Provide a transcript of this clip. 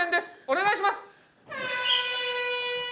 お願いします！